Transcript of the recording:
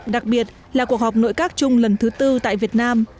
đặc biệt là cuộc họp nội các chung lần thứ tư tại việt nam